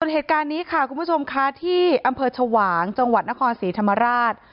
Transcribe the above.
เหตุการณ์นี้ค่ะคุณผู้ชมค่ะที่อำเภอชวางจังหวัดนครศรีธรรมราช